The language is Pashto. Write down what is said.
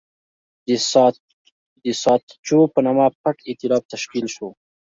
د ساتچو په نامه پټ اېتلاف تشکیل شو.